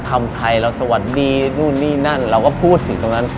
ทำไทยเราสวัสดีนู่นนี่นั่นเราก็พูดถึงตรงนั้น